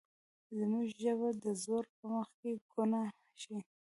زموږ ژبه د زور په مخ کې ګونګه شي.